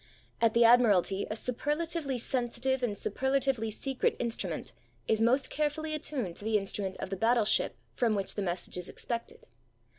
At the Admiralty a superlatively sensitive and superlatively secret instrument is most carefully attuned to the instrument of the battleship from which the message is expected.